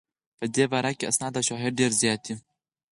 په دې باره کې اسناد او شواهد ډېر زیات دي.